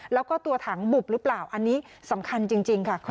แล้วก็ตัวถังบุบหรือเปล่าอันนี้สำคัญจริงค่ะ